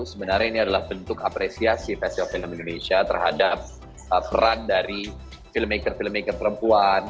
sebenarnya ini adalah bentuk apresiasi facial film indonesia terhadap peran dari filmmaker filmmaker perempuan